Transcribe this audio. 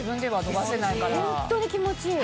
本当に気持ちいい。